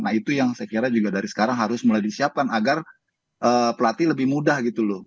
nah itu yang saya kira juga dari sekarang harus mulai disiapkan agar pelatih lebih mudah gitu loh